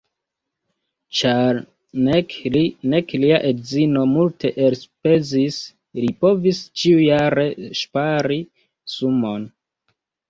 Ĉar nek li, nek lia edzino multe elspezis, li povis ĉiujare ŝpari sumon.